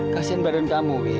kasian badan kamu wih